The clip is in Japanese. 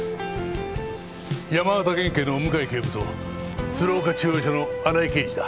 山形県警の向井警部と鶴岡中央署の荒井刑事だ。